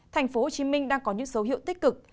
thành phố hồ chí minh đang có những dấu hiệu tích cực